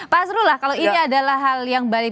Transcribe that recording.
pak asrullah kalau ini adalah hal yang baik